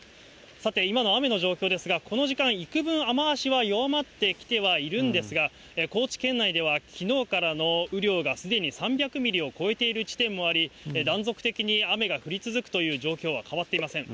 さて、今の雨の状況ですが、この時間、いくぶん雨足は弱まってきてはいるんですが、高知県内ではきのうからの雨量がすでに３００ミリを超えている地点もあり、断続的に雨が降り続くという状況は変わっていません。